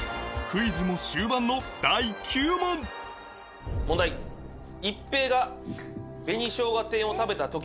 クイズも終盤の第９問問題え！？